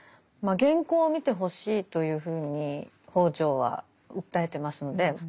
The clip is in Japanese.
原稿を見てほしいというふうに北條は訴えてますのでまあ